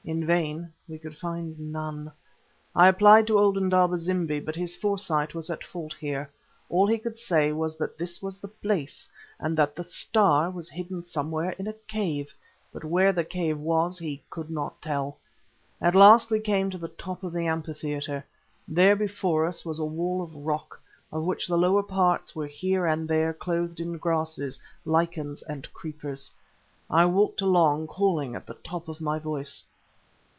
In vain, we could find none. I applied to old Indaba zimbi, but his foresight was at fault here. All he could say was that this was the place, and that the "Star" was hidden somewhere in a cave, but where the cave was he could not tell. At last we came to the top of the amphitheatre. There before us was a wall of rock, of which the lower parts were here and there clothed in grasses, lichens, and creepers. I walked along it, calling at the top of my voice.